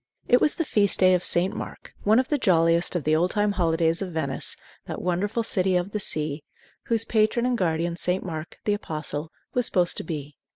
It was the Feast Day of St. Mark, one of the jolliest of the old time holidays of Venice, that wonderful City of the Sea, whose patron and guardian St. Mark, the apostle, was supposed to be.